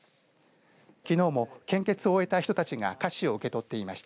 きのうも献血を終えた人たちが菓子を受け取っていました。